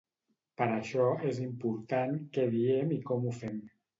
Per això és important què diem i com ho fem.